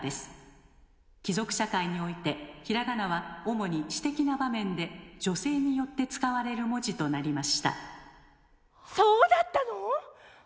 貴族社会においてひらがなは主に私的な場面で女性によって使われる文字となりましたそうだったの？